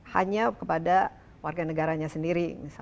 hanya kepada warga negaranya sendiri